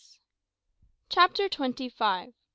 CHAPTER TWENTY FIVE.